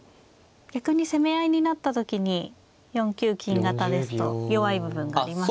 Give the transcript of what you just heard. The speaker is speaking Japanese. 逆に攻め合いになった時に４九金型ですと弱い部分がありますよね。